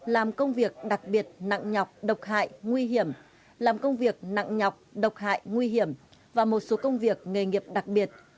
làm công việc đặc biệt nặng nhọc độc hại nguy hiểm làm công việc nặng nhọc độc hại nguy hiểm và một số công việc nghề nghiệp đặc biệt